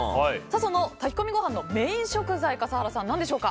その炊き込みご飯のメイン食材、何でしょうか？